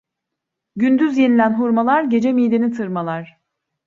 Gündüz yenilen hurmalar, gece mideni tırmalar.